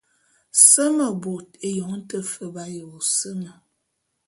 Seme bot, eyong te fe b’aye wo seme.